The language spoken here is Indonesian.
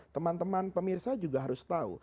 teman teman pemirsa juga harus tahu